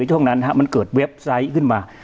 ช่วงนั้นมันเกิดเว็บไซต์ขึ้นมา